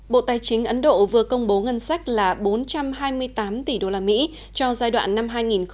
bộ tài chính ấn độ vừa công bố ngân sách là bốn trăm hai mươi tám tỷ đô la mỹ cho giai đoạn năm hai nghìn hai mươi hai nghìn hai mươi một